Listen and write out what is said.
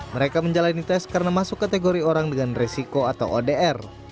mereka menjalani tes karena masuk kategori orang dengan resiko atau odr